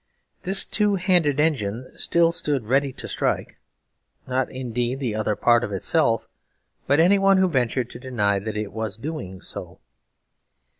This "two handed engine" still stood ready to strike, not, indeed, the other part of itself, but anyone who ventured to deny that it was doing so.